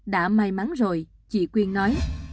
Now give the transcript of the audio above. đã may mắn rồi chị quyên nói